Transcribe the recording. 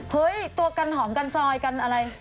ตัวกันหอมกันซอยกันอะไร